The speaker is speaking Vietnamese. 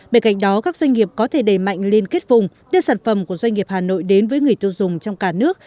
bên cạnh đó các doanh nghiệp có thể đẩy mạnh liên kết vùng đưa sản phẩm của doanh nghiệp hà nội đến với người tiêu dùng trong cả nước